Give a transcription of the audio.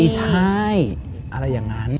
ใช่อะไรอย่างนั้น